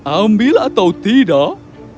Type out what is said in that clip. ambil atau tidak